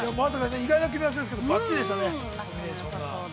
意外な組み合わせですけどばっちりでしたね。